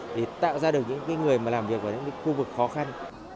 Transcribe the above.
thì tạo ra được những cái người mà làm việc ở những cái khu vực khó khăn